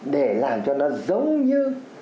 để làm cho nó giống như